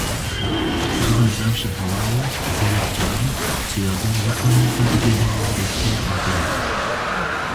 Ji ber rewşa hewayê gelek caran çiyager nikarin xwe bigihînin lûtkeya Agiriyê.